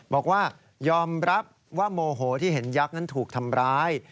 บอกว่ายอมรับว่าโมโหที่เห็นยักษ์นั้นถูกทำร้าย